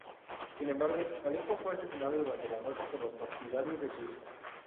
Sin embargo Alejo fue asesinado durante la noche por los partidarios de su hijo.